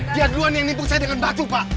dia duluan yang nipuk saya dengan batu pak